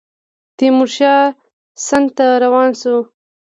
تیمورشاه سند ته روان شو.